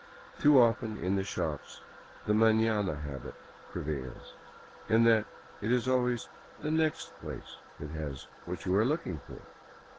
Too often, in the shops, the maiiana habit prevails, — in that it is always the next place that has what you are looking for.